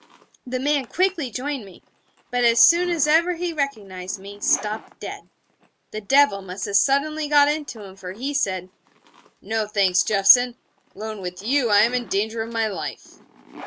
The man quickly joined me, but as soon as ever he recognised me, stopped dead. The devil must have suddenly got into him, for he said: 'No, thanks, Jeffson: alone with you I am in danger of my life....'